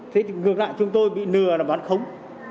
thế thì ngược lại chúng tôi bị lừa là bán khống